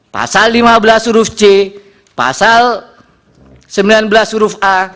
pasal lima belas huruf c pasal sembilan belas huruf a